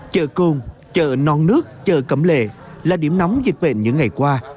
chợ cồn chợ non nước chợ cẩm lệ là điểm nóng dịch bệnh những ngày qua